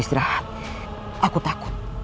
ibu nda harus beristirahat